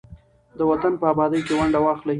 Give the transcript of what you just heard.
د وطن په ابادۍ کې ونډه واخلئ.